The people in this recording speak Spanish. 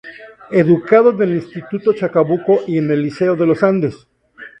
Educado en el Instituto Chacabuco y en el Liceo de Los Andes.